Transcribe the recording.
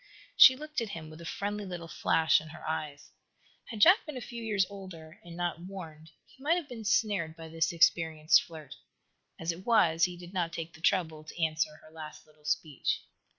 She looked at him with a friendly, little flash in her eyes. Had Jack been a few years older, and not warned, he might have been snared by this experienced flirt. As it was, he did not take the trouble to answer her last little speech.